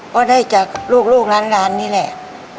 ก็ได้จากลูกร้านนี่แหละ